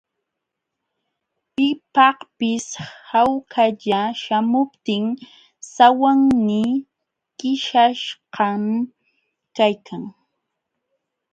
Pipaqpis hawkalla śhamuptin sawannii kićhaśhqam kaykan.